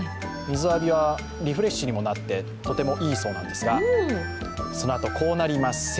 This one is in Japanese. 水浴びはリフレッシュにもなってとてもいいそうなんですがそのあと、こうなります。